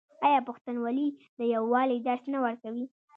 آیا پښتونولي د یووالي درس نه ورکوي؟